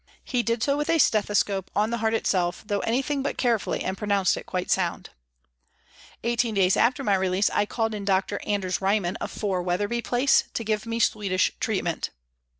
He did so with a stethoscope on the heart itself, though anything but carefully, and pronounced it quite sound. Eighteen days after my release I called in Dr. Anders Ryman, of 4, Wetherby Place, to give me Swedish treatment.